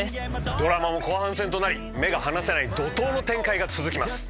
ドラマも後半戦となり目が離せない怒濤の展開が続きます。